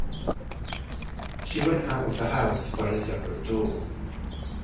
She went out of the house by a separate door.